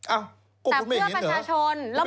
เอ้าก็คุณไม่เห็นเหรอแล้วมันแต่เพื่อประชาชน